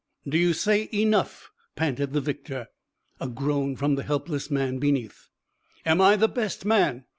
"Do you say enough?" panted the victor. A groan from the helpless man beneath. "Am I the best man?